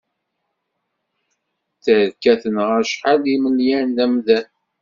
Tterka tenɣa acḥal n imelyan d amdan.